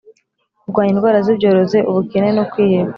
Kurwanya indwara z ibyorezo ubukene no kwiheba